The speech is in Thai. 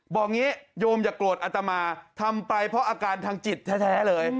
อย่างนี้โยมอย่าโกรธอัตมาทำไปเพราะอาการทางจิตแท้เลย